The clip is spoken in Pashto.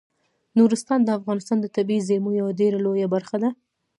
نورستان د افغانستان د طبیعي زیرمو یوه ډیره لویه برخه ده.